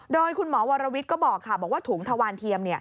โดยคุณหมอวรวิทย์ก็บอกค่ะบอกว่าถุงทวานเทียม